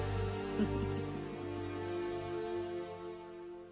あっ！